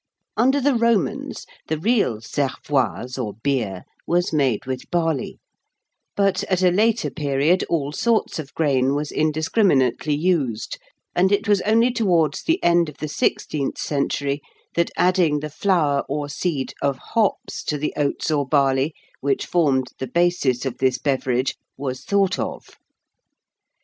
] Under the Romans, the real cervoise, or beer, was made with barley; but, at a later period, all sorts of grain was indiscriminately used; and it was only towards the end of the sixteenth century that adding the flower or seed of hops to the oats or barley, which formed the basis of this beverage, was thought of.